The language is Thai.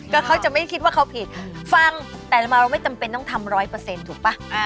ก็เขาจะไม่ได้คิดว่าเขาผิดฟังแต่มาเราไม่จำเป็นต้องทำร้อยเปอร์เซ็นต์ถูกป่ะ